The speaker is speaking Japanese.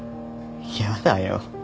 嫌だよ。